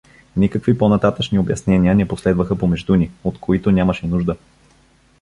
Никакви по-нататъшни обяснения не последваха помежду ни, от които нямаше нужда.